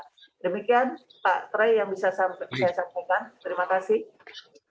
ya demikian pak tre yang bisa saya sampaikan terima kasih